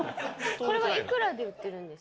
これはいくらで売ってるんですか？